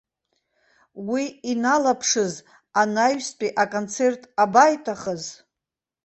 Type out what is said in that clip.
Уи иналаԥшыз анаҩстәи аконцерт абаиҭахыз!